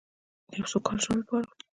د یو سوکاله ژوند لپاره.